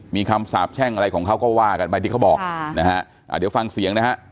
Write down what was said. มีคำสาบแช่งอะไรของเขาก็ว่ากันไปที่เขาบอกนะฮะอ่าเดี๋ยวฟังเสียงนะฮะ